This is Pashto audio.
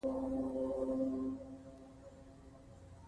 موږ د نوي کال لپاره اهداف ټاکلي دي.